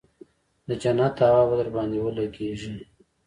د جنت هوا به درباندې ولګېګي.